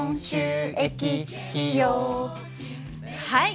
はい。